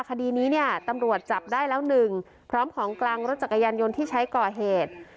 คดีนี้เนี่ยตำรวจจับได้แล้วหนึ่งพร้อมของกลางรถจักรยานยนต์ที่ใช้ก่อเหตุ